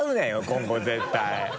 今後絶対。